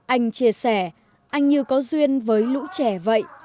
anh chia sẻ anh như có duyên với lũ trẻ vậy